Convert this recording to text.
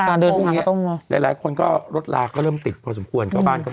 พรุ่งนี้คนก็รถลาก็เริ่มติดพอสมควร